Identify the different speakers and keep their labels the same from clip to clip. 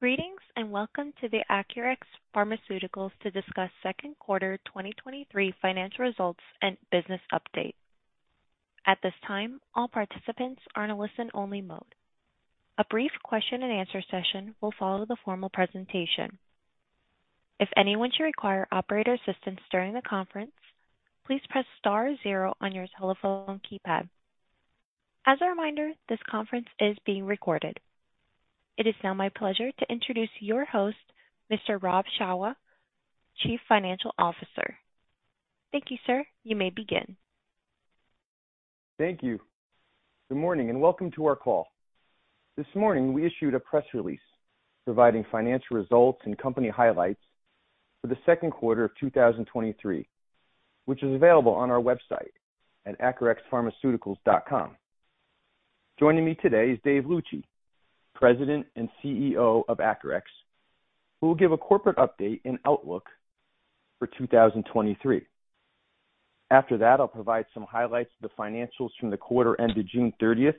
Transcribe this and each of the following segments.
Speaker 1: Greetings, welcome to the Acurx Pharmaceuticals to discuss Second Quarter 2023 Financial Results and Business Update. At this time, all participants are in a listen-only mode. A brief question and answer session will follow the formal presentation. If anyone should require operator assistance during the conference, please press star zero on your telephone keypad. As a reminder, this conference is being recorded. It is now my pleasure to introduce your host, Mr. Rob Shawah, Chief Financial Officer. Thank you, sir. You may begin.
Speaker 2: Thank you. Good morning, and welcome to our call. This morning, we issued a Press Release providing financial results and company highlights for the second quarter of 2023, which is available on our website at acurxpharma.com. Joining me today is Dave Luci, President and CEO of Acurx, who will give a corporate update and outlook for 2023. After that, I'll provide some highlights of the financials from the quarter ended June 30th,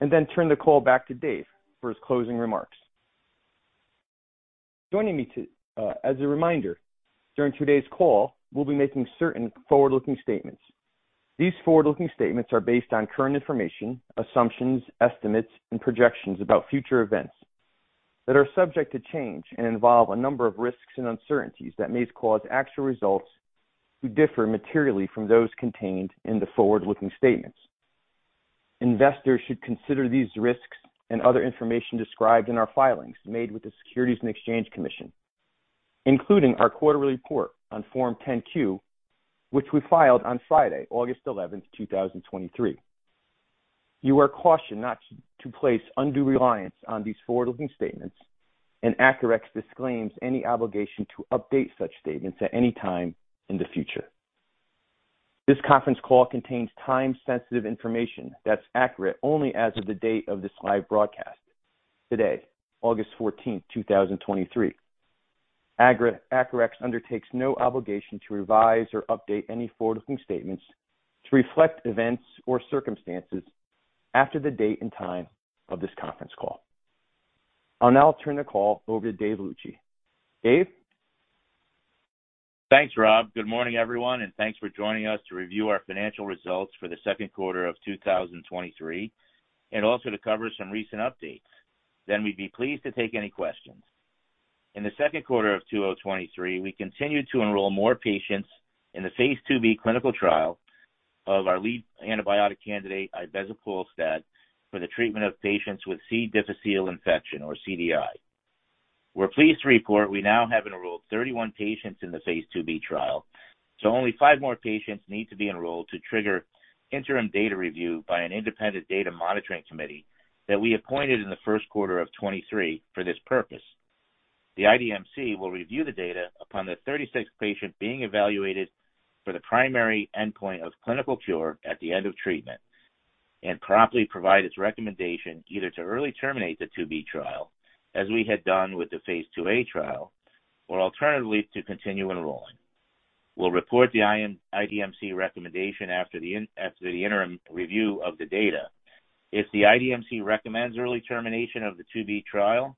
Speaker 2: and then turn the call back to Dave for his closing remarks. As a reminder, during today's call, we'll be making certain forward-looking statements. These forward-looking statements are based on current information, assumptions, estimates, and projections about future events that are subject to change and involve a number of risks and uncertainties that may cause actual results to differ materially from those contained in the forward-looking statements. Investors should consider these risks and other information described in our filings made with the Securities and Exchange Commission, including our quarterly report on Form 10-Q, which we filed on Friday, August 11, 2023. You are cautioned not to place undue reliance on these forward-looking statements, and Acurx disclaims any obligation to update such statements at any time in the future. This conference call contains time-sensitive information that's accurate only as of the date of this live broadcast, today, August 14, 2023. Acurx undertakes no obligation to revise or update any forward-looking statements to reflect events or circumstances after the date and time of this conference call. I'll now turn the call over to Dave Luci. Dave?
Speaker 3: Thanks, Rob. Good morning, everyone, and thanks for joining us to review our financial results for the second quarter of 2023, also to cover some recent updates. We'd be pleased to take any questions. In the second quarter of 2023, we continued to enroll more patients in the phase II-B clinical trial of our lead antibiotic candidate, ibezapolstat, for the treatment of patients with C. difficile infection or CDI. We're pleased to report we now have enrolled 31 patients in the phase II-B trial. Only five more patients need to be enrolled to trigger interim data review by an Independent Data Monitoring Committee that we appointed in the first quarter of 2023 for this purpose. The IDMC will review the data upon the 36th patient being evaluated for the primary endpoint of clinical cure at the end of treatment and promptly provide its recommendation either to early terminate the II-B trial, as we had done with the phase II-A trial, or alternatively, to continue enrolling. We'll report the IDMC recommendation after the interim review of the data. If the IDMC recommends early termination of the II-B trial,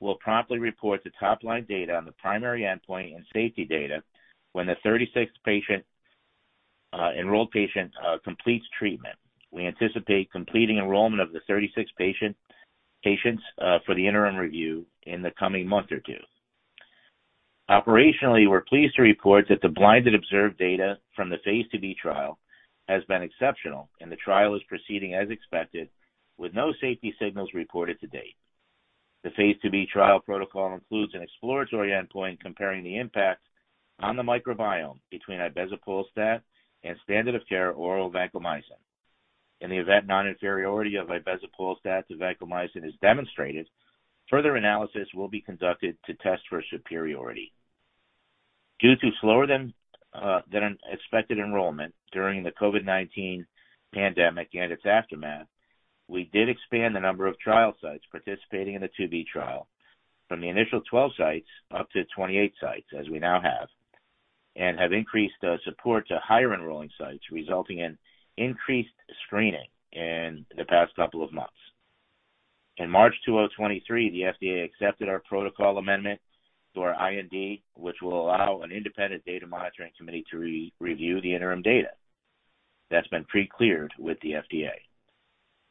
Speaker 3: we'll promptly report the top-line data on the primary endpoint and safety data when the 36th patient, enrolled patient, completes treatment. We anticipate completing enrollment of the 36 patient, patients, for the interim review in the coming month or two. Operationally, we're pleased to report that the blinded observed data from the phase II-B trial has been exceptional. The trial is proceeding as expected, with no safety signals reported to date. The phase II-B trial protocol includes an exploratory endpoint comparing the impact on the microbiome between ibezapolstat and standard of care oral vancomycin. In the event non-inferiority of ibezapolstat to vancomycin is demonstrated, further analysis will be conducted to test for superiority. Due to slower than expected enrollment during the COVID-19 pandemic and its aftermath, we did expand the number of trial sites participating in the phase II-B trial from the initial 12 sites up to 28 sites, as we now have, and have increased support to higher enrolling sites, resulting in increased screening in the past couple of months. In March 2023, the FDA accepted our protocol amendment to our IND, which will allow an independent data monitoring committee to re-review the interim data. That's been pre-cleared with the FDA.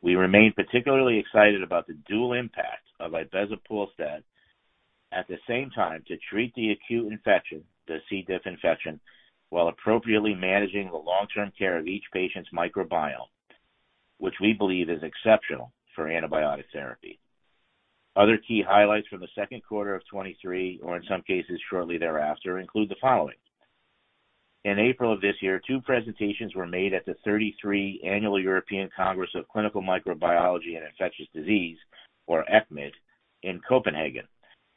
Speaker 3: We remain particularly excited about the dual impact of ibezapolstat at the same time to treat the acute infection, the C. diff infection, while appropriately managing the long-term care of each patient's microbiome, which we believe is exceptional for antibiotic therapy. Other key highlights from the second quarter of 2023, or in some cases shortly thereafter, include the following: In April of this year, two presentations were made at the 33 Annual European Congress of Clinical Microbiology and Infectious Diseases, or ECCMID, in Copenhagen.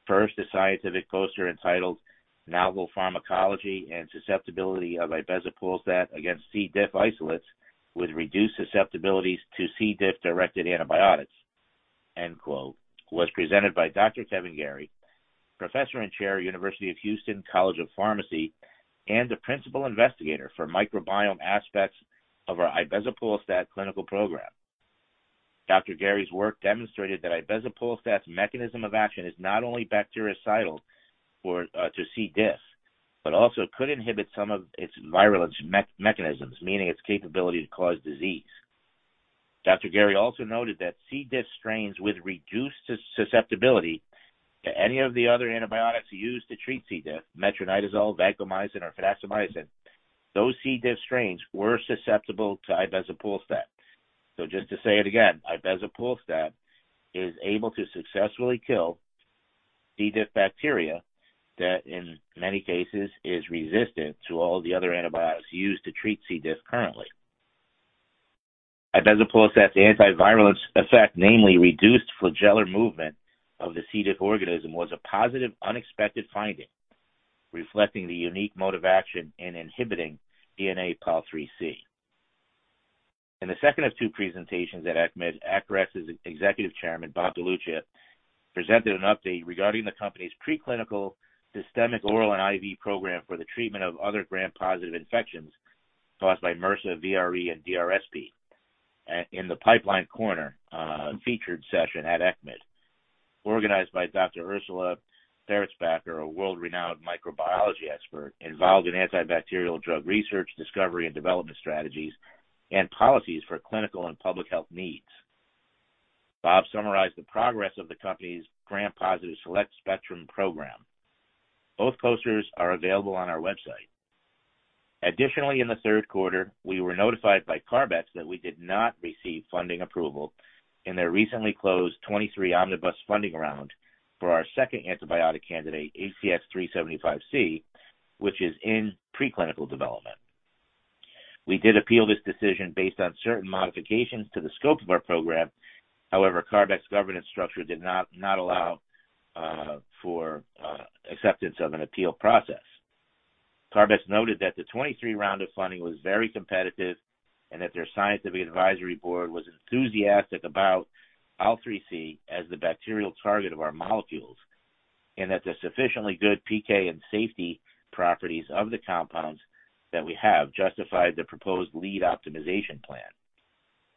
Speaker 3: First, a scientific poster entitled "Novel Pharmacology and Susceptibility of Ibezapolstat against C. diff Isolates with Reduced Susceptibilities to C. diff Directed Antibiotics," end quote, was presented by Dr. Kevin A. Garey, Professor and Chair, University of Houston College of Pharmacy, and the principal investigator for microbiome aspects of our ibezapolstat clinical program. Dr. Garey's work demonstrated that ibezapolstat's mechanism of action is not only bactericidal for to C. diff, but also could inhibit some of its virulence mechanisms, meaning its capability to cause disease. Dr. Garey also noted that C. diff strains with reduced susceptibility to any of the other antibiotics used to treat C. diff, metronidazole, vancomycin, or fidaxomicin, those C. diff strains were susceptible to ibezapolstat. Just to say it again, ibezapolstat is able to successfully kill C. diff bacteria that, in many cases, is resistant to all the other antibiotics used to treat C. diff currently. Ibezapolstat's anti-virulence effect, namely reduced flagellar movement of the C. diff organism, was a positive, unexpected finding, reflecting the unique mode of action in inhibiting DNA pol IIIC. In the second of two presentations at ECCMID, Acurx's Executive Chairman, Bob DeLuccia, presented an update regarding the company's preclinical systemic oral and IV program for the treatment of other Gram-positive infections caused by MRSA, VRE, and DRSP. In the pipeline corner, featured session at ECCMID, organized by Dr. Ursula Theuretzbacher, a world-renowned microbiology expert involved in antibacterial drug research, discovery, and development strategies and policies for clinical and public health needs. Bob summarized the progress of the company's Gram-positive select spectrum program. Both posters are available on our website. Additionally, in the third quarter, we were notified by CARB-X that we did not receive funding approval in their recently closed 23 omnibus funding round for our second antibiotic candidate, ACX-375C, which is in preclinical development. We did appeal this decision based on certain modifications to the scope of our program. CARB-X's governance structure did not allow for acceptance of an appeal process. CARB-X noted that the 23 round of funding was very competitive and that their scientific advisory board was enthusiastic about pol IIIC as the bacterial target of our molecules, and that the sufficiently good PK and safety properties of the compounds that we have justified the proposed lead optimization plan.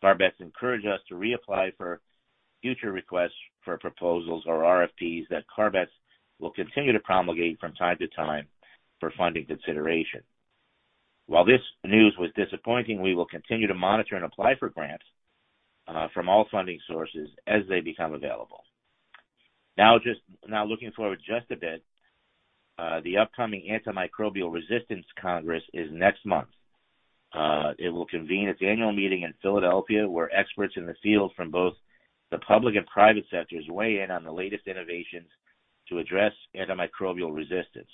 Speaker 3: CARB-X encouraged us to reapply for future requests for proposals or RFPs, that CARB-X will continue to promulgate from time to time for funding consideration. While this news was disappointing, we will continue to monitor and apply for grants from all funding sources as they become available. Now, looking forward just a bit, the upcoming Antimicrobial Resistance Congress is next month. It will convene its annual meeting in Philadelphia, where experts in the field from both the public and private sectors weigh in on the latest innovations to address antimicrobial resistance.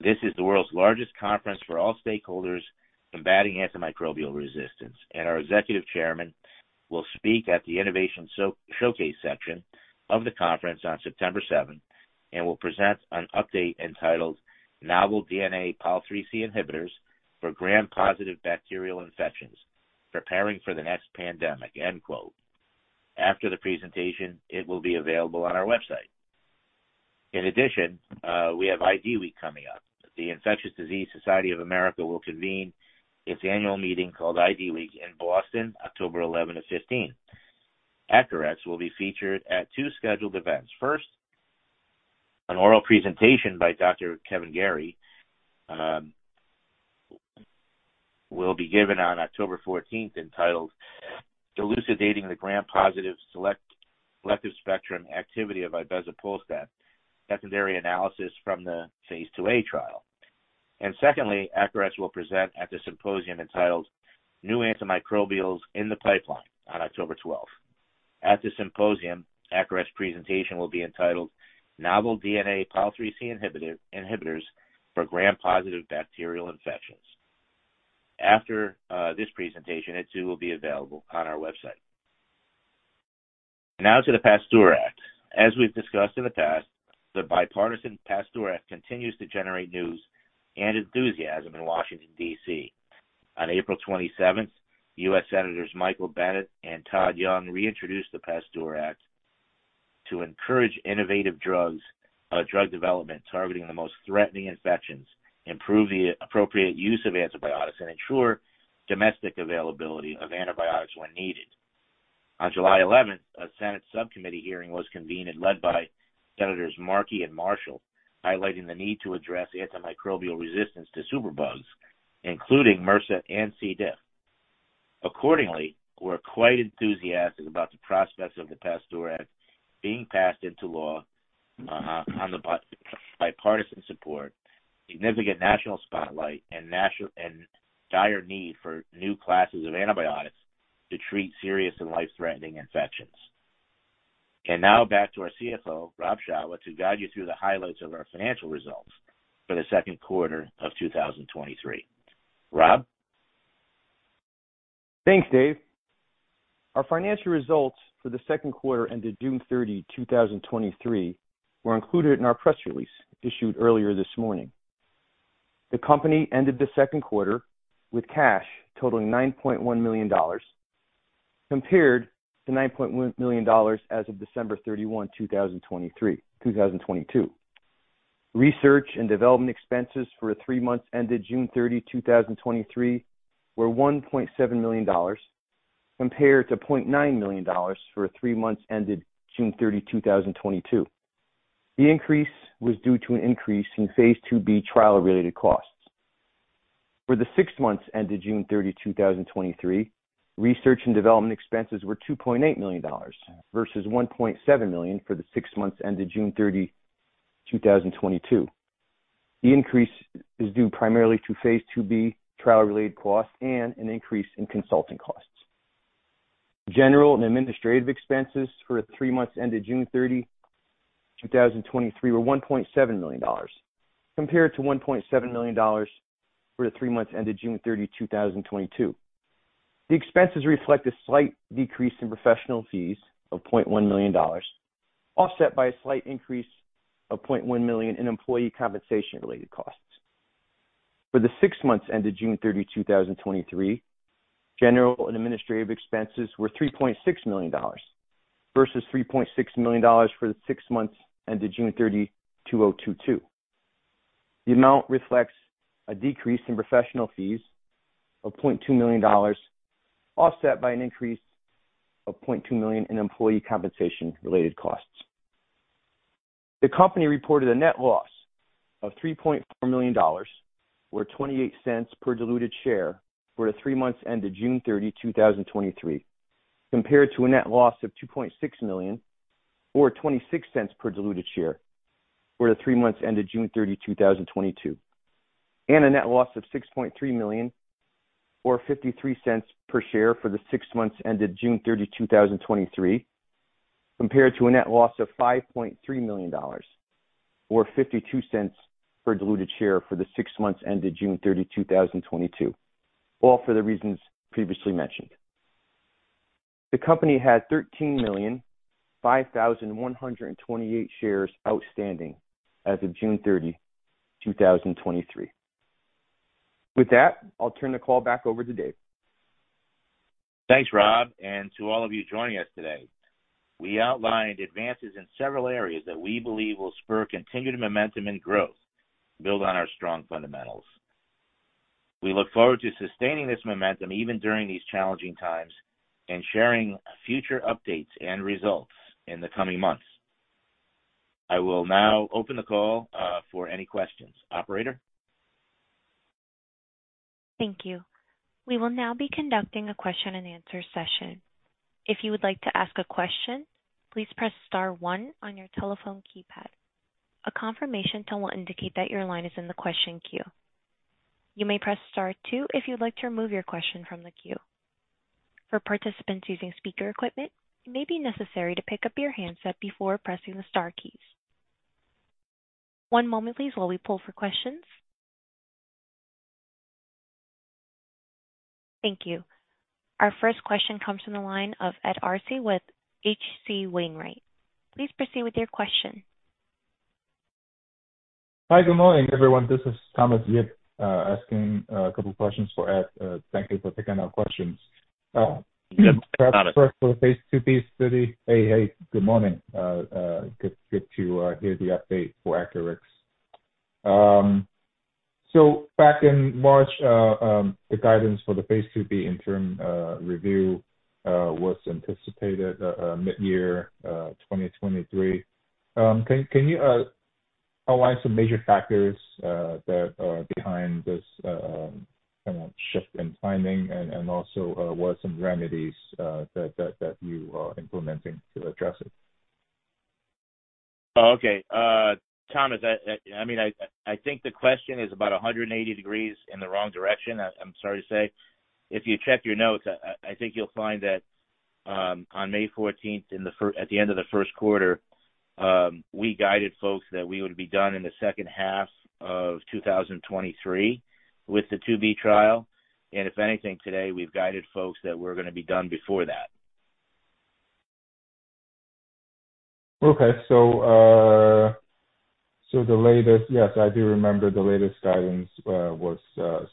Speaker 3: This is the world's largest conference for all stakeholders combating antimicrobial resistance, and our Executive Chairman will speak at the innovation showcase section of the conference on September 7th, and will present an update entitled, "Novel DNA pol IIIC inhibitors for Gram-positive bacterial infections: Preparing for the next pandemic," end quote. After the presentation, it will be available on our website. In addition, we have IDWeek coming up. The Infectious Diseases Society of America will convene its annual meeting, called IDWeek, in Boston, October 11 to 15. Acurx will be featured at two scheduled events. First, an oral presentation by Dr. Kevin A. Garey will be given on October 14th, entitled, "Elucidating the Gram-positive select- selective spectrum activity of ibezapolstat: Secondary analysis from the phase II-A trial." Secondly, Acurx will present at the symposium entitled, "New Antimicrobials in the Pipeline," on October 12th. At the symposium, Acurx' presentation will be entitled, "Novel DNA pol IIIC inhibitor, Inhibitors for Gram-positive bacterial infections." After this presentation, it, too, will be available on our website. Now to the PASTEUR Act. As we've discussed in the past, the bipartisan PASTEUR Act continues to generate news and enthusiasm in Washington, D.C. On April 27th, U.S. Senators Michael Bennet and Todd Young reintroduced the PASTEUR Act to encourage innovative drugs, drug development, targeting the most threatening infections, improve the appropriate use of antibiotics, and ensure domestic availability of antibiotics when needed. On July 11th, a Senate Subcommittee Hearing was convened and led by Senators Markey and Marshall, highlighting the need to address antimicrobial resistance to superbugs, including MRSA and C. diff. Accordingly, we're quite enthusiastic about the prospects of the PASTEUR Act being passed into law, on the bipartisan support, significant national spotlight, and dire need for new classes of antibiotics to treat serious and life-threatening infections. Now back to our CFO, Rob Shawah, to guide you through the highlights of our financial results for the second quarter of 2023. Rob?
Speaker 2: Thanks, Dave. Our financial results for the second quarter, ended June 30, 2023, were included in our press release issued earlier this morning. The company ended the second quarter with cash totaling $9.1 million, compared to $9.1 million as of December 31, 2022. Research and development expenses for the three months ended June 30, 2023, were $1.7 million, compared to $0.9 million for the three months ended June 30, 2022. The increase was due to an increase in phase II-B trial-related costs. For the six months ended June 30, 2023, research and development expenses were $2.8 million, versus $1.7 million for the six months ended June 30, 2022. The increase is due primarily to phase II-B trial-related costs and an increase in consulting costs. General and administrative expenses for the three months ended June 30, 2023, were $1.7 million, compared to $1.7 million for the three months ended June 30, 2022. The expenses reflect a slight decrease in professional fees of $0.1 million, offset by a slight increase of $0.1 million in employee compensation-related costs. For the six months ended June 30, 2023, general and administrative expenses were $3.6 million, versus $3.6 million for the six months ended June 30, 2022. The amount reflects a decrease in professional fees of $0.2 million, offset by an increase of $0.2 million in employee compensation-related costs. The company reported a net loss of $3.4 million, or $0.28 per diluted share for the three months ended June 30, 2023, compared to a net loss of $2.6 million or $0.26 per diluted share for the three months ended June 30, 2022. A net loss of $6.3 million or $0.53 per share for the six months ended June 30, 2023, compared to a net loss of $5.3 million or $0.52 per diluted share for the six months ended June 30, 2022, all for the reasons previously mentioned. The company had 13,005,128 shares outstanding as of June 30, 2023. With that, I'll turn the call back over to Dave.
Speaker 3: Thanks, Rob, to all of you joining us today. We outlined advances in several areas that we believe will spur continued momentum and growth, build on our strong fundamentals. We look forward to sustaining this momentum even during these challenging times and sharing future updates and results in the coming months. I will now open the call for any questions. Operator?
Speaker 1: Thank you. We will now be conducting a question and answer session. If you would like to ask a question, please press star one on your telephone keypad. A confirmation tone will indicate that your line is in the question queue. You may press star two if you'd like to remove your question from the queue. For participants using speaker equipment, it may be necessary to pick up your handset before pressing the star keys. One moment, please, while we pull for questions. Thank you. Our first question comes from the line of Ed Arce with H.C. Wainwright & Co. Please proceed with your question.
Speaker 4: Hi, good morning, everyone. This is Thomas Yip, asking a couple of questions for Ed. Thank you for taking our questions.
Speaker 3: Got it.
Speaker 4: First, for the phase II-B study. Hey, good morning. Good, good to hear the update for Acurx. Back in March, the guidance for the phase II-B interim review was anticipated mid-year 2023. Can, can you outline some major factors that are behind this kind of shift in timing and also what are some remedies that, that, that you are implementing to address it?
Speaker 3: Oh, okay. Thomas, I mean, I think the question is about 180 degrees in the wrong direction, I'm sorry to say. If you check your notes, I think you'll find that, on May 14th, at the end of the first quarter, we guided folks that we would be done in the second half of 2023 with the II-B trial, If anything, today, we've guided folks that we're gonna be done before that.
Speaker 4: Okay. The latest... Yes, I do remember the latest guidance was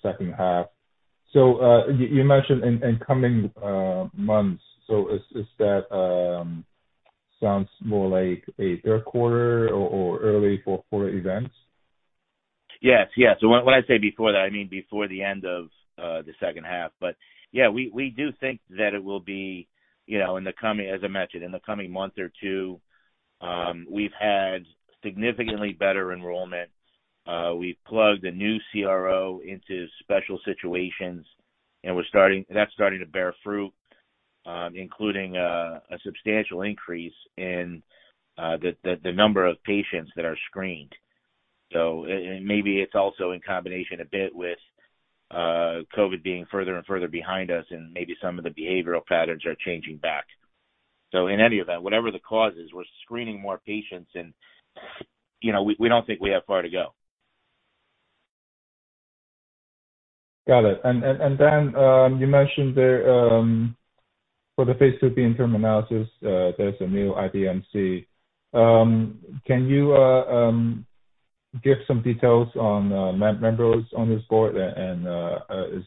Speaker 4: second half. You mentioned in coming months. Is that sounds more like a third quarter or early fourth quarter events?
Speaker 3: Yes. Yes. When, when I say before that, I mean before the end of the second half. Yeah, we, we do think that it will be, you know, in the coming, as I mentioned, in the coming month or two. We've had significantly better enrollment. We've plugged a new CRO into special situations, and we're starting. That's starting to bear fruit, including a substantial increase in the number of patients that are screened. And maybe it's also in combination a bit with COVID being further and further behind us, and maybe some of the behavioral patterns are changing back. In any of that, whatever the cause is, we're screening more patients, and, you know, we, we don't think we have far to go.
Speaker 4: Got it. You mentioned there, for the phase II-B interim analysis, there's a new IDMC. Can you give some details on members on this board, and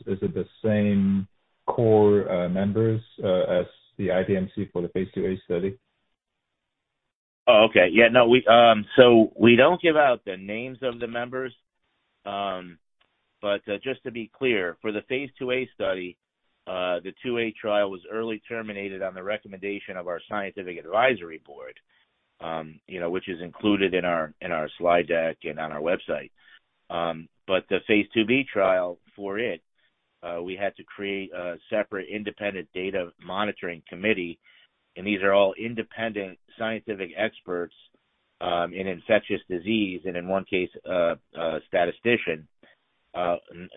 Speaker 4: is it the same core members as the IDMC for the phase II-A study?
Speaker 3: Oh, okay. Yeah, no, we don't give out the names of the members. Just to be clear, for the phase II-A study, the II-A trial was early terminated on the recommendation of our scientific advisory board, you know, which is included in our, in our slide deck and on our website. The phase II-B trial for it, we had to create a separate Independent Data Monitoring Committee, and these are all independent scientific experts, in infectious disease, and in one case, a statistician,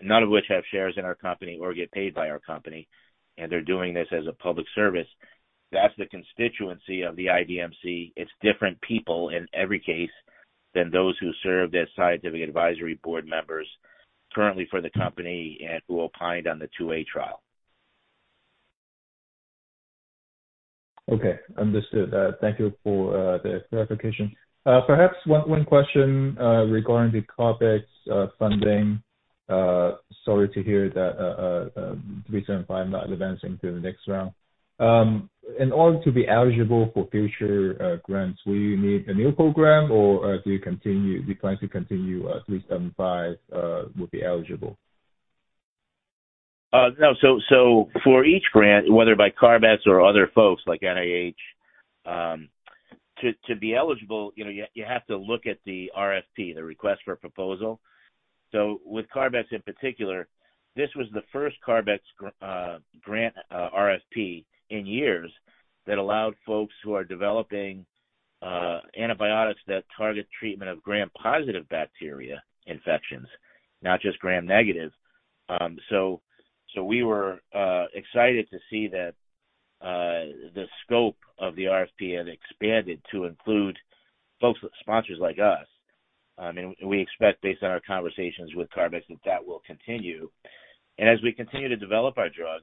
Speaker 3: none of which have shares in our company or get paid by our company, and they're doing this as a public service. That's the constituency of the IDMC. It's different people in every case than those who serve as scientific advisory board members currently for the company and who opined on the II-A trial.
Speaker 4: Okay, understood. Thank you for the clarification. Perhaps one, one question regarding the CARB-X funding. Sorry to hear that three seven five not advancing to the next round. In order to be eligible for future grants, will you need a new program, or as we continue, we plan to continue three seven five will be eligible?
Speaker 3: No. For each grant, whether by CARB-X or other folks like NIH, to be eligible, you know, you have to look at the RFP, the request for proposal. With CARB-X in particular, this was the first CARB-X grant RFP in years that allowed folks who are developing antibiotics that target treatment of Gram-positive bacteria infections, not just Gram-negative. We were excited to see that the scope of the RFP had expanded to include folks with sponsors like us. I mean, we expect, based on our conversations with CARB-X, that that will continue. As we continue to develop our drug,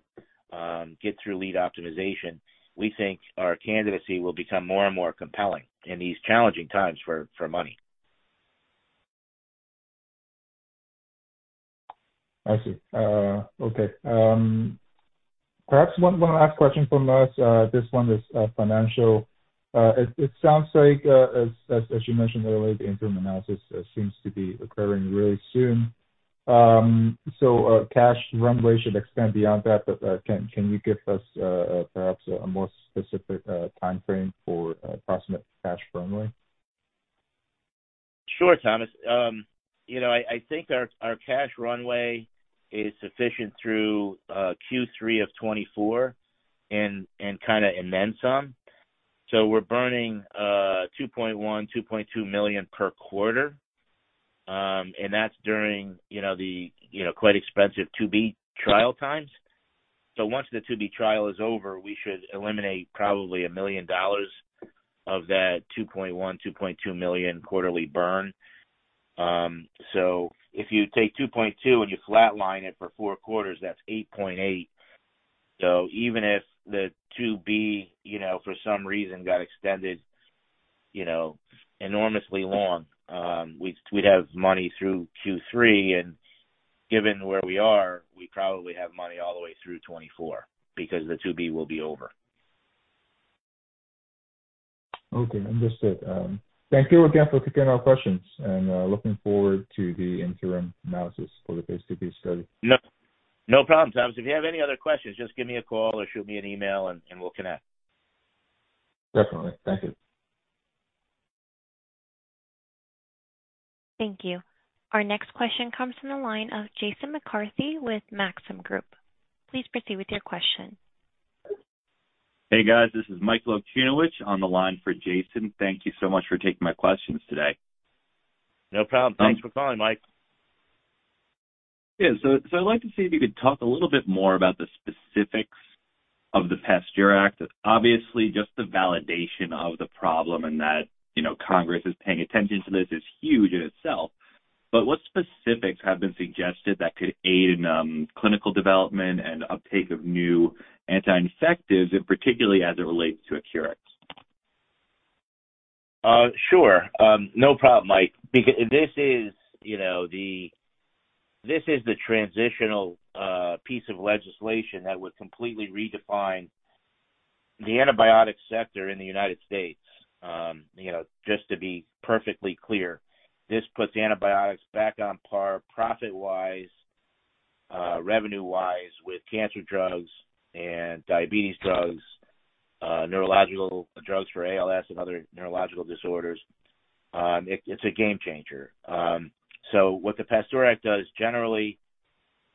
Speaker 3: get through lead optimization, we think our candidacy will become more and more compelling in these challenging times for, for money.
Speaker 4: I see. Okay. Perhaps one last question from us. This one is financial. It sounds like as you mentioned earlier, the interim analysis seems to be occurring really soon. Cash runway should extend beyond that, but can you give us perhaps a more specific timeframe for approximate cash runway?
Speaker 3: Sure, Thomas. You know, I, I think our, our cash runway is sufficient through Q3 of 2024 and, and kinda, and then some. We're burning $2.1 million-$2.2 million per quarter, and that's during, you know, the, you know, quite expensive II-B trial times. Once the II-B trial is over, we should eliminate probably $1 million of that $2.1 million-$2.2 million quarterly burn. If you take $2.2 million, and you flatline it for four quarters, that's $8.8 million. Even if the II-B, you know, for some reason, got extended, you know, enormously long, we'd, we'd have money through Q3, and given where we are, we'd probably have money all the way through 2024 because the II-B will be over.
Speaker 4: Okay, understood. Thank you again for taking our questions, and looking forward to the interim analysis for the phase II-B study.
Speaker 3: No, no problem, Thomas. If you have any other questions, just give me a call or shoot me an email, and we'll connect.
Speaker 4: Definitely. Thank you.
Speaker 1: Thank you. Our next question comes from the line of Jason McCarthy with Maxim Group. Please proceed with your question.
Speaker 5: Hey, guys, this is Michael Okunewitch on the line for Jason. Thank you so much for taking my questions today.
Speaker 3: No problem.
Speaker 5: Um-
Speaker 3: Thanks for calling, Mike.
Speaker 5: Yeah, so I'd like to see if you could talk a little bit more about the specifics of the PASTEUR Act. Obviously, just the validation of the problem and that, you know, Congress is paying attention to this is huge in itself, what specifics have been suggested that could aid in clinical development and uptake of new anti-infectives, particularly as it relates to Acurx?
Speaker 3: Sure, no problem, Mike. Because this is, you know, the... This is the transitional piece of legislation that would completely redefine the antibiotic sector in the United States. You know, just to be perfectly clear, this puts antibiotics back on par profit-wise, revenue-wise, with cancer drugs and diabetes drugs, neurological drugs for ALS and other neurological disorders. It, it's a game changer. What the PASTEUR Act does generally,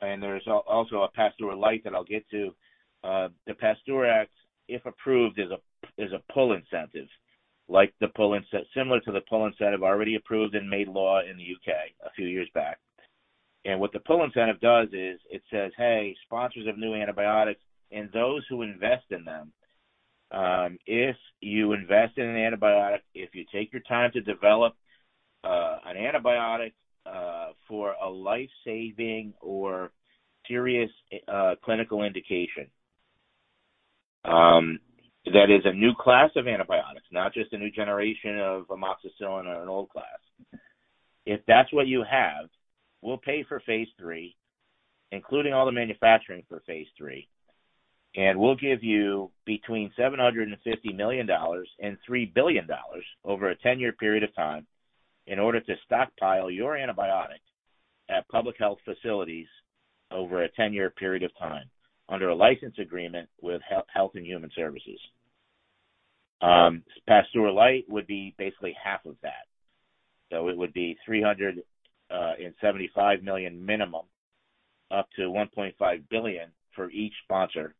Speaker 3: and there's also a PASTEUR Light that I'll get to. The PASTEUR Act, if approved, is a, is a pull incentive, like the pull incentive similar to the pull incentive already approved and made law in the U.K. a few years back. What the pull incentive does is, it says: Hey, sponsors of new antibiotics and those who invest in them, if you invest in an antibiotic, if you take your time to develop an antibiotic, for a life-saving or serious clinical indication. That is a new class of antibiotics, not just a new generation of amoxicillin or an old class. If that's what you have, we'll pay for phase III, including all the manufacturing for phase III, and we'll give you between $750 million and $3 billion over a 10-year period of time in order to stockpile your antibiotic at public health facilities over a 10-year period of time, under a license agreement with Health and Human Services. PASTEUR Light would be basically half of that. It would be $375 million minimum, up to $1.5 billion for each sponsor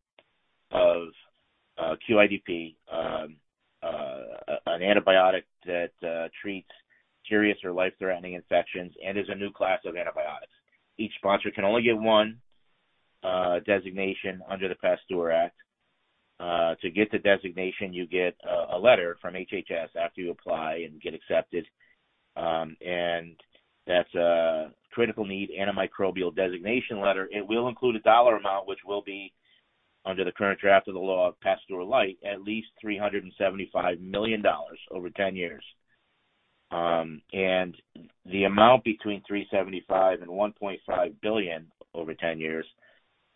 Speaker 3: of QIDP, an antibiotic that treats serious or life-threatening infections and is a new class of antibiotics. Each sponsor can only get one designation under the PASTEUR Act. To get the designation, you get a letter from HHS after you apply and get accepted, and that's a Critical Need Antimicrobial designation letter. It will include a dollar amount, which will be under the current draft of the law of PASTEUR Light, at least $375 million over 10 years. The amount between $375 million and $1.5 billion over 10 years,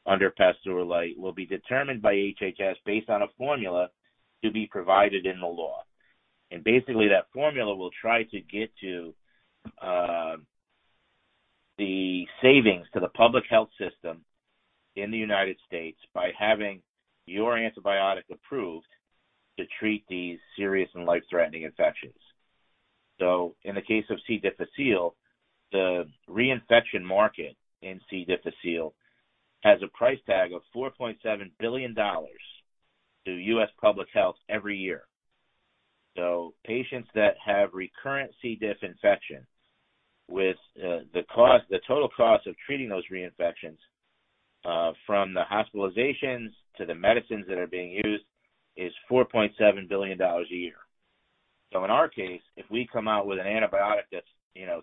Speaker 3: under PASTEUR Light, will be determined by HHS based on a formula to be provided in the law. Basically, that formula will try to get to the savings to the public health system in the United States by having your antibiotic approved to treat these serious and life-threatening infections. In the case of C. difficile, the reinfection market in C. difficile has a price tag of $4.7 billion to U.S. public health every year. Patients that have recurrent C. diff infection with the cost, the total cost of treating those reinfections, from the hospitalizations to the medicines that are being used, is $4.7 billion a year. In our case, if we come out with an antibiotic that's, you know,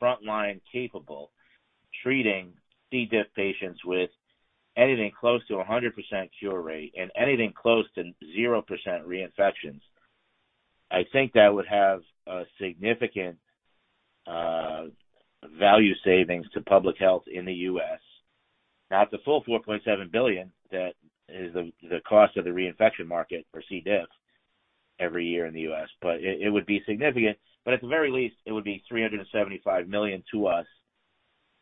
Speaker 3: frontline capable, treating C. diff patients with anything close to 100% cure rate and anything close to 0% reinfections, I think that would have a significant value savings to public health in the U.S. Not the full $4.7 billion, that is the, the cost of the reinfection market for C. diff every year in the U.S., but it, it would be significant, but at the very least, it would be $375 million to us,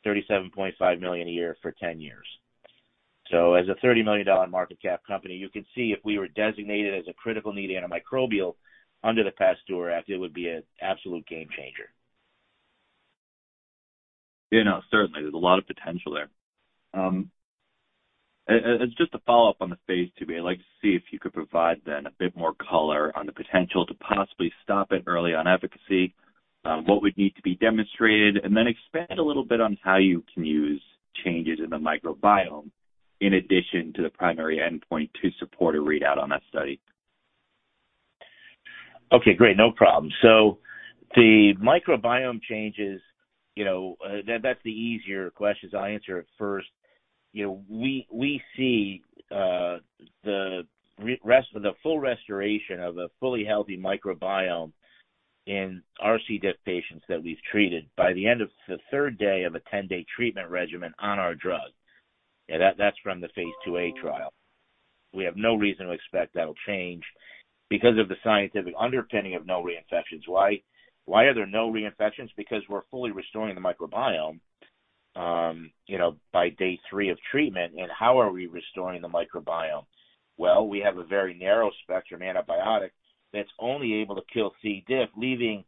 Speaker 3: $37.5 million a year for 10 years. As a $30 million market cap company, you could see if we were designated as a Critical Need Antimicrobial under the PASTEUR Act, it would be an absolute game changer.
Speaker 5: You know, certainly, there's a lot of potential there. Just a follow-up on the phase II-B, I'd like to see if you could provide then a bit more color on the potential to possibly stop it early on efficacy, what would need to be demonstrated, and then expand a little bit on how you can use changes in the microbiome in addition to the primary endpoint, to support a readout on that study.
Speaker 3: Okay, great. No problem. So the microbiome changes, you know, that's the easier question, so I'll answer it first. You know, we, we see the full restoration of a fully healthy microbiome in our C. diff patients that we've treated by the end of the third day of a 10-day treatment regimen on our drug. That's from the phase II-A trial. We have no reason to expect that'll change because of the scientific underpinning of no reinfections. Why are there no reinfections? Because we're fully restoring the microbiome, you know, by day three of treatment. How are we restoring the microbiome? Well, we have a very narrow-spectrum antibiotic that's only able to kill C. diff, leaving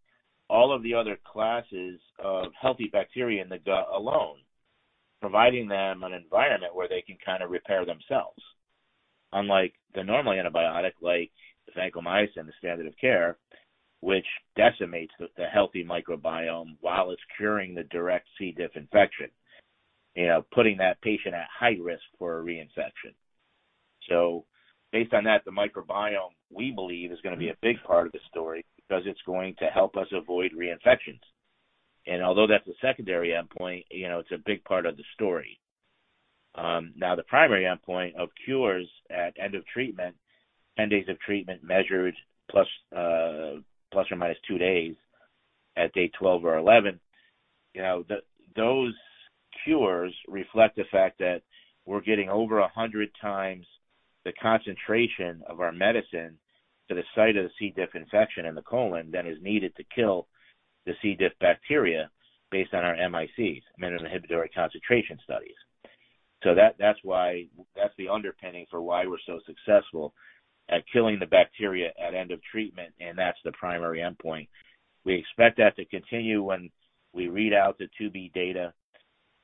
Speaker 3: all of the other classes of healthy bacteria in the gut alone, providing them an environment where they can kind of repair themselves. Unlike the normal antibiotic, like vancomycin, the standard of care, which decimates the, the healthy microbiome while it's curing the direct C. diff infection, you know, putting that patient at high risk for a reinfection. Based on that, the microbiome, we believe, is going to be a big part of the story because it's going to help us avoid reinfections. Although that's a secondary endpoint, you know, it's a big part of the story. Now, the primary endpoint of cures at end of treatment, 10 days of treatment measured, plus or minus two days at day 12 or 11, you know, those cures reflect the fact that we're getting over 100x the concentration of our medicine to the site of the C. diff infection in the colon, than is needed to kill the C. diff bacteria based on our MICs, minimum inhibitory concentration studies. That's why, that's the underpinning for why we're so successful at killing the bacteria at end of treatment, and that's the primary endpoint. We expect that to continue when we read out the II-B data.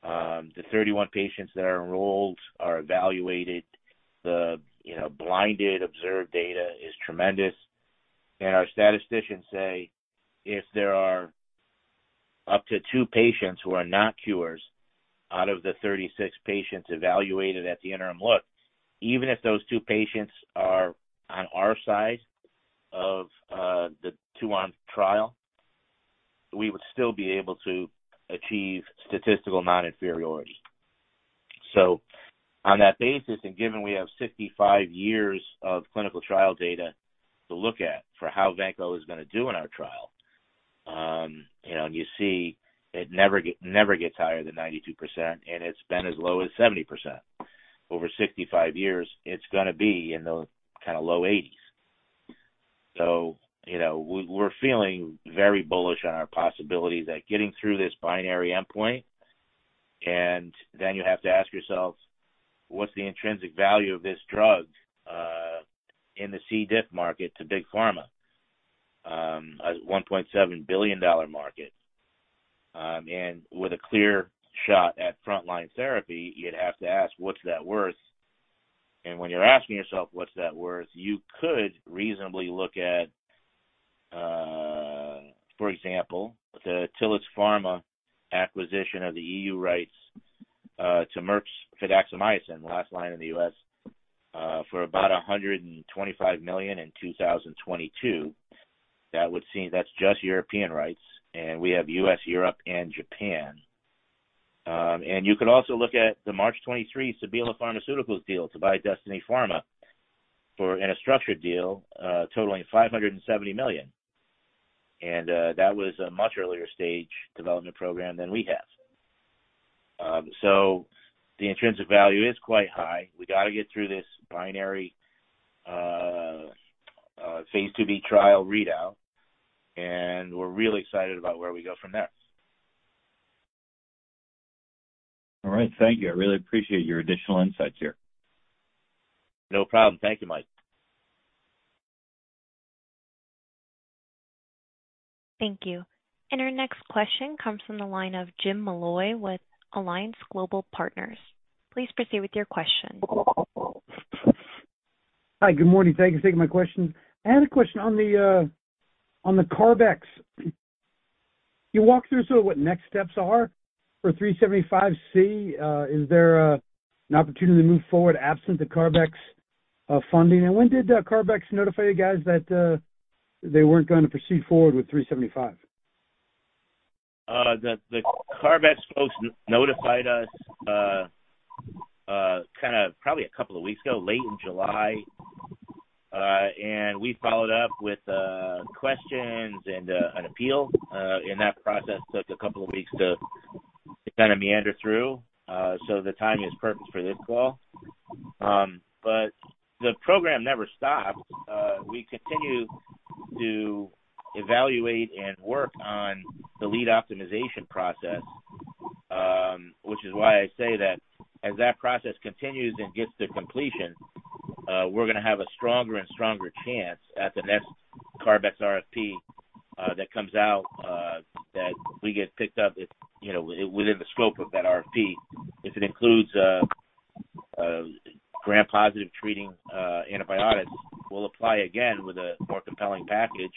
Speaker 3: The 31 patients that are enrolled are evaluated. The, you know, blinded observed data is tremendous, and our statisticians say if there are up to two patients who are not cures out of the 36 patients evaluated at the interim look, even if those two patients are on our side of the two-arm trial, we would still be able to achieve statistical non-inferiority. On that basis, and given we have 65 years of clinical trial data to look at for how vancomycin is going to do in our trial, you know, and you see it never gets higher than 92%, and it's been as low as 70%. Over 65 years, it's gonna be in the kind of low 80s. You know, we, we're feeling very bullish on our possibility that getting through this binary endpoint. Then you have to ask yourselves, what's the intrinsic value of this drug, in the C. diff market to big pharma? A $1.7 billion market, and with a clear shot at frontline therapy, you'd have to ask, what's that worth? When you're asking yourself, what's that worth? You could reasonably look at, for example, the Tillotts Pharma acquisition of the EU rights to Merck's fidaxomicin, last line in the U.S., for about $125 million in 2022. That would seem, that's just European rights, and we have U.S., Europe, and Japan. You could also look at the March 23 Sebela Pharmaceuticals deal to buy Destiny Pharma for, in a structured deal, totaling $570 million. That was a much earlier stage development program than we have. The intrinsic value is quite high. We got to get through this binary phase II-B trial readout, and we're really excited about where we go from there.
Speaker 5: All right. Thank you. I really appreciate your additional insights here.
Speaker 3: No problem. Thank you, Mike.
Speaker 1: Thank you. Our next question comes from the line of Jim Molloy with Alliance Global Partners. Please proceed with your question.
Speaker 6: Hi. Good morning. Thank you for taking my question. I had a question on the, on the CARB-X. Can you walk through sort of what next steps are for ACX-375C? Is there an opportunity to move forward absent the CARB-X funding? When did CARB-X notify you guys that they weren't going to proceed forward with ACX-375C?
Speaker 3: The CARB-X folks notified us, kind of probably two weeks ago, late in July. We followed up with questions and an appeal, and that process took two weeks to kind of meander through. The timing is perfect for this call. The program never stopped. We continue to evaluate and work on the lead optimization process, which is why I say that as that process continues and gets to completion, we're gonna have a stronger and stronger chance at the next CARB-X RFP that comes out, that we get picked up if, you know, within the scope of that RFP. If it includes gram-positive treating antibiotics, we'll apply again with a more compelling package.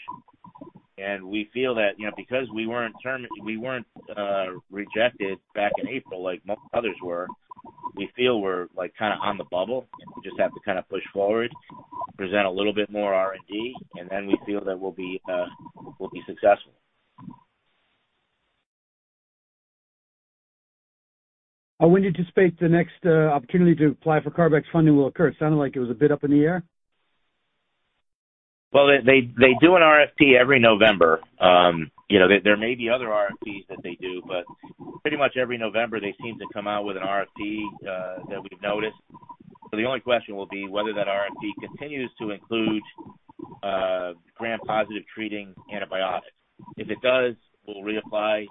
Speaker 3: We feel that, you know, because we weren't term-- we weren't rejected back in April, like others were, we feel we're, like, kind of on the bubble, and we just have to kind of push forward, present a little bit more R&D, and then we feel that we'll be, we'll be successful.
Speaker 6: When do you anticipate the next opportunity to apply for CARB-X funding will occur? It sounded like it was a bit up in the air.
Speaker 3: Well, they, they do an RFP every November. You know, there may be other RFPs that they do, but pretty much every November, they seem to come out with an RFP that we've noticed. The only question will be whether that RFP continues to include Gram-positive treating antibiotics. If it does, we'll reapply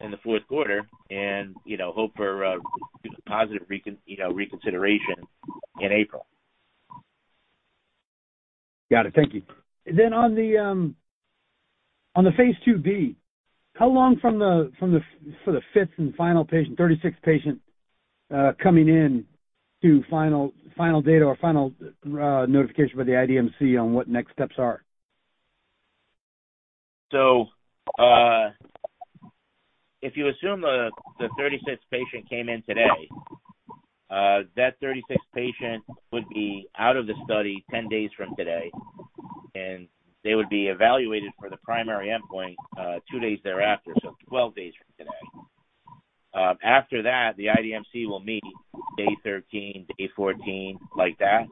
Speaker 3: in the fourth quarter and, you know, hope for a positive recon, you know, reconsideration in April.
Speaker 6: Got it. Thank you. On the, on the phase II-B, how long from the, from the, for the fifth and final patient, 36th patient, coming in to final, final data or final notification by the IDMC on what next steps are?
Speaker 3: If you assume the, the 36th patient came in today, that 36th patient would be out of the study 10 days from today, and they would be evaluated for the primary endpoint two days thereafter, so 12 days from today. After that, the IDMC will meet day 13, day 14, like that,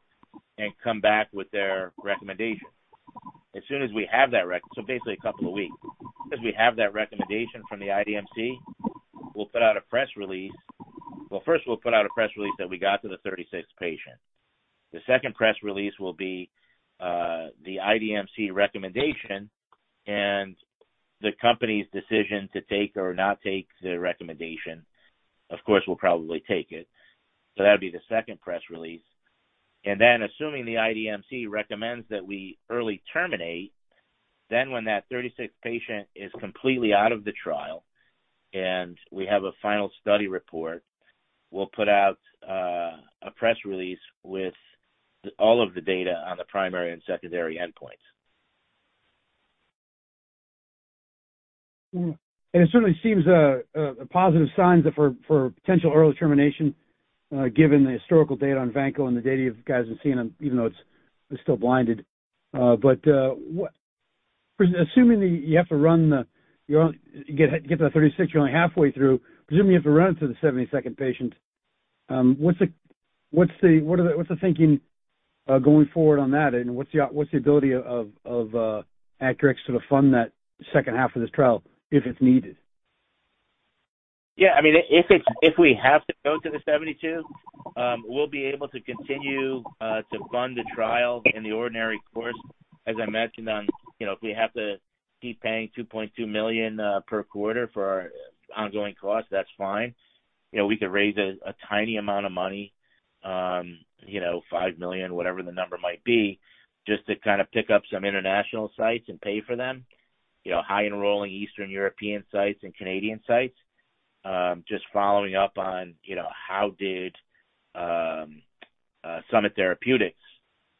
Speaker 3: and come back with their recommendation. As soon as we have that, so basically a couple of weeks. As soon as we have that recommendation from the IDMC, we'll put out a press release. Well, first we'll put out a press release that we got to the 36th patient. The second press release will be the IDMC recommendation and the company's decision to take or not take the recommendation. Of course, we'll probably take it, so that'd be the second press release. Then assuming the IDMC recommends that we early terminate, then when that 36th patient is completely out of the trial and we have a final study report, we'll put out a press release with all of the data on the primary and secondary endpoints.
Speaker 6: It certainly seems a, a positive signs for, for potential early termination. given the historical data on Vanco and the data you guys have seen, even though it's still blinded. Assuming that you have to run the to the 36, you're only halfway through, presumably you have to run to the 72nd patient. What's the, what's the, what are the, what's the thinking going forward on that? What's the, what's the ability of, of Acurx to sort of fund that second half of this trial, if it's needed?
Speaker 3: Yeah, I mean, if it's, if we have to go to the 72, we'll be able to continue to fund the trial in the ordinary course. As I mentioned on, you know, if we have to keep paying $2.2 million per quarter for our ongoing costs, that's fine. You know, we could raise a, a tiny amount of money, you know, $5 million, whatever the number might be, just to kind of pick up some international sites and pay for them. You know, high enrolling Eastern European sites and Canadian sites. Just following up on, you know, how did Summit Therapeutics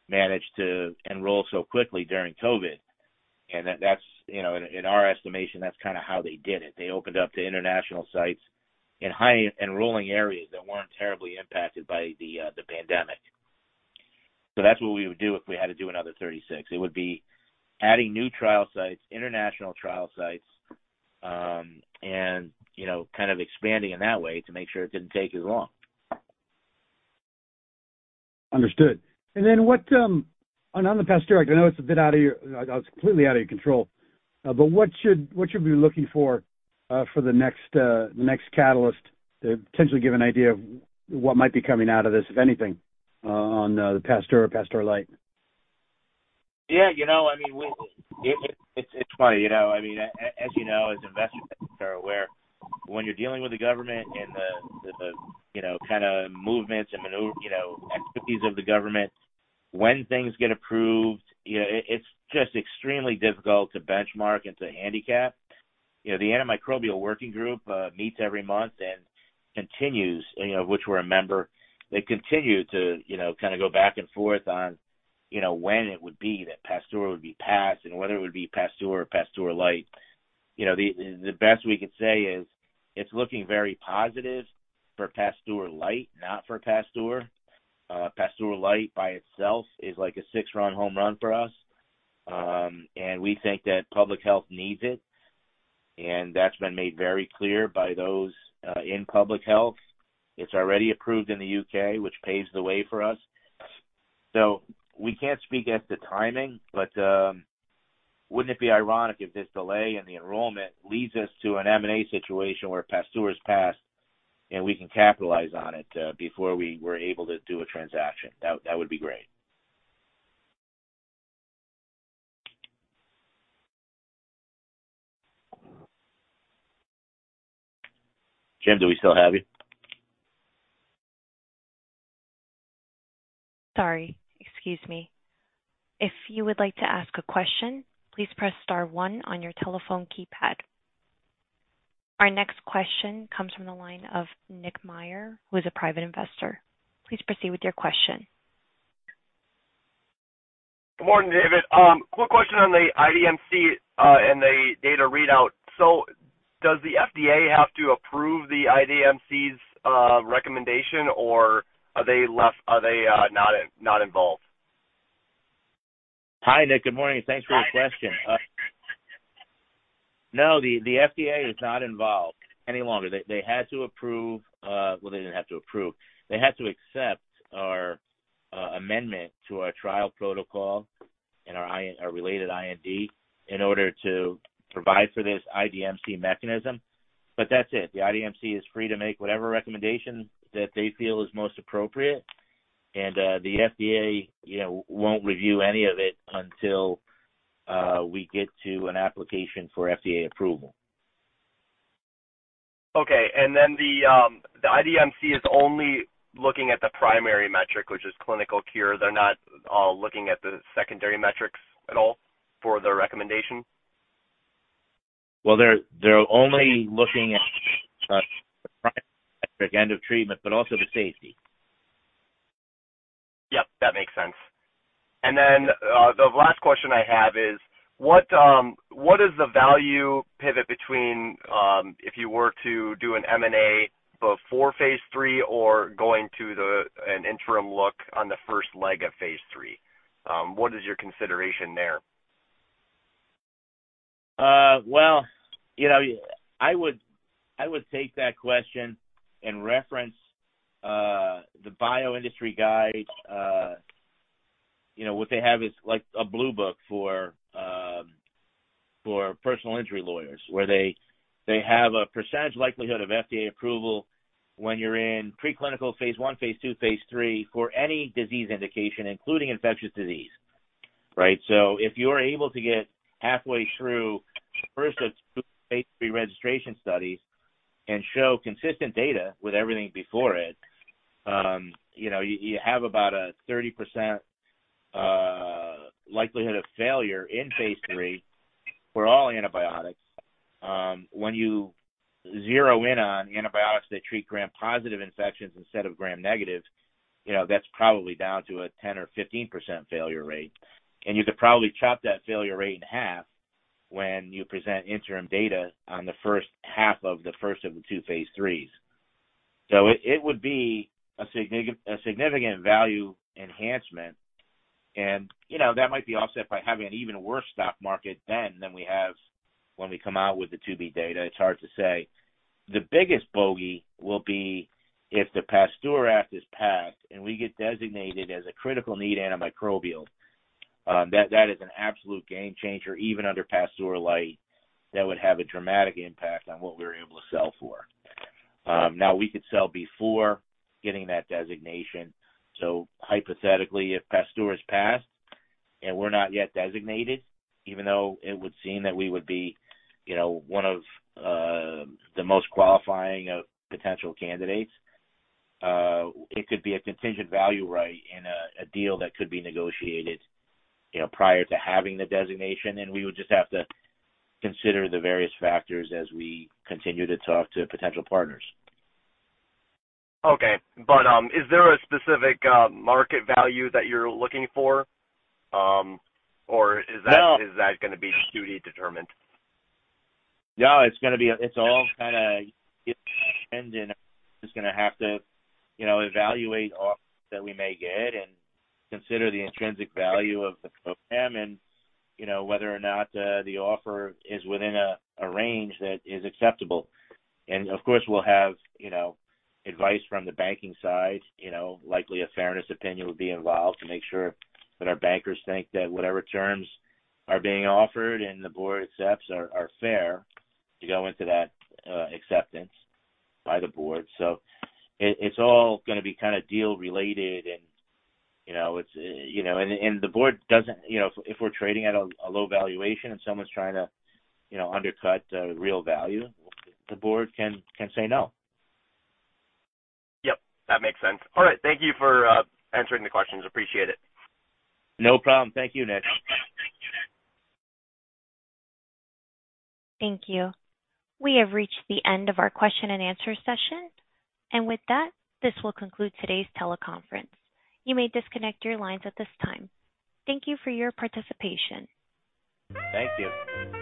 Speaker 3: manage to enroll so quickly during COVID? That's, you know, in our estimation, that's kind of how they did it. They opened up the international sites in high enrolling areas that weren't terribly impacted by the pandemic. That's what we would do if we had to do another 36. It would be adding new trial sites, international trial sites, and, you know, kind of expanding in that way to make sure it didn't take as long.
Speaker 6: Understood. Then what, on the PASTEUR Act, I know it's a bit out of your - completely out of your control, what should, what should we be looking for, for the next, the next catalyst to potentially give an idea of what might be coming out of this, if anything, on, the PASTEUR Act or PASTEUR Light?
Speaker 3: Yeah, you know, I mean, we, it's funny, you know, I mean, as you know, as investment are aware, when you're dealing with the government and the, you know, kind of movements and maneuver, you know, expertise of the government, when things get approved, you know, it's just extremely difficult to benchmark and to handicap. You know, the Antimicrobials Working Group meets every month and continues, you know, which we're a member. They continue to, you know, kind of go back and forth on, you know, when it would be that PASTEUR would be passed and whether it would be PASTEUR or PASTEUR Light. You know, the best we could say is it's looking very positive for PASTEUR Light, not for PASTEUR. PASTEUR Light by itself is like a six-run home run for us. We think that public health needs it, and that's been made very clear by those in public health. It's already approved in the U.K., which paves the way for us. We can't speak as to timing, but wouldn't it be ironic if this delay in the enrollment leads us to an M&A situation where PASTEUR is passed, and we can capitalize on it before we were able to do a transaction? That, that would be great. Jim, do we still have you?
Speaker 1: Sorry. Excuse me. If you would like to ask a question, please press star one on your telephone keypad. Our next question comes from the line of Nick Meyer, who is a private investor. Please proceed with your question.
Speaker 7: Good morning, David. Quick question on the IDMC and the data readout. Does the FDA have to approve the IDMC's recommendation, or are they not, not involved?
Speaker 3: Hi, Nick. Good morning. Thanks for your question.
Speaker 7: Hi.
Speaker 3: The FDA is not involved any longer. They had to approve. Well, they didn't have to approve. They had to accept our amendment to our trial protocol and our related IND, in order to provide for this IDMC mechanism. That's it. The IDMC is free to make whatever recommendation that they feel is most appropriate, the FDA, you know, won't review any of it until we get to an application for FDA approval.
Speaker 7: Okay. The IDMC is only looking at the primary metric, which is clinical cure. They're not looking at the secondary metrics at all for their recommendation?
Speaker 3: Well, they're only looking at the end of treatment, but also the safety.
Speaker 7: Yep, that makes sense. The last question I have is, what, what is the value pivot between, if you were to do an M&A before phase III or going to the, an interim look on the first leg of phase III? What is your consideration there?
Speaker 3: Well, you know, I would, I would take that question and reference the bio industry guide. You know, what they have is like a blue book for personal injury lawyers, where they, they have a percentage likelihood of FDA approval when you're in preclinical phase I, phase II, phase III, for any disease indication, including infectious disease, right? If you're able to get halfway through the first of two phase III registration studies and show consistent data with everything before it, you know, you, you have about a 30% likelihood of failure in phase III for all antibiotics. When you zero in on antibiotics that treat Gram-positive infections instead of Gram-negative, you know, that's probably down to a 10% or 15% failure rate, and you could probably chop that failure rate in half. when you present interim data on the first half of the first of the two phase IIIs. it, it would be a significant, a significant value enhancement. you know, that might be offset by having an even worse stock market then than we have when we come out with the II-B data. It's hard to say. The biggest bogey will be if the PASTEUR Act is passed and we get designated as a Critical Need Antimicrobial, that, that is an absolute game changer, even under PASTEUR Light, that would have a dramatic impact on what we're able to sell for. Now, we could sell before getting that designation. Hypothetically, if PASTEUR is passed and we're not yet designated, even though it would seem that we would be, you know, one of the most qualifying of potential candidates, it could be a contingent value right in a, a deal that could be negotiated, you know, prior to having the designation. We would just have to consider the various factors as we continue to talk to potential partners.
Speaker 7: Okay. Is there a specific market value that you're looking for? Or is that-
Speaker 3: No.
Speaker 7: Is that going to be duty determined?
Speaker 3: No, it's going to be. It's all kind of, and then just going to have to, you know, evaluate offers that we may get and consider the intrinsic value of the program. You know, whether or not the offer is within a range that is acceptable. Of course, we'll have, you know, advice from the banking side. You know, likely a fairness opinion will be involved to make sure that our bankers think that whatever terms are being offered and the board accepts are fair to go into that acceptance by the board. It, it's all going to be kind of deal related. You know, it's, you know, and, and the board doesn't, you know, if we're trading at a low valuation and someone's trying to, you know, undercut real value, the board can, can say no.
Speaker 7: Yep, that makes sense. All right. Thank you for answering the questions. Appreciate it.
Speaker 3: No problem. Thank you, Nick.
Speaker 1: Thank you. We have reached the end of our question and answer session. With that, this will conclude today's teleconference. You may disconnect your lines at this time. Thank you for your participation.
Speaker 3: Thank you.